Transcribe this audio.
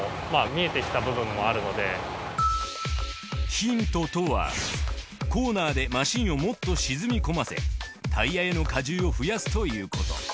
ヒントとはコーナーでマシンをもっと沈み込ませタイヤへの荷重を増やすということ。